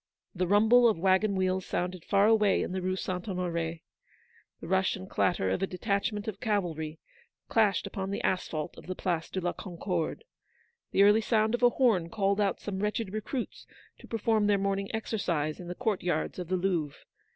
The rumble of waggon wheels sounded far away in the Rue St. Honore. The rush and clatter of a detachment of cavalry clashed upon the asphalte of the Place de la Concorde. The early sound of a horn called out some wretched recruits to perform their morning exercise in the court yards of the Louvre.